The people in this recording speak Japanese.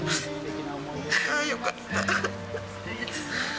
ああ、よかった。